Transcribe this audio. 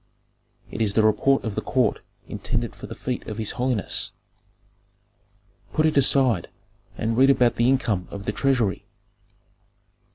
"It is the report of the court intended for the feet of his holiness." "Put it aside, and read about the income of the treasury."